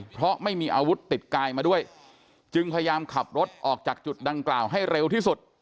เพราะไม่มีอาวุธติดกายมาด้วยจึงพยายามขับรถออกจากจุดดังกล่าวให้เร็วที่สุด